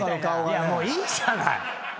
いやもういいじゃない！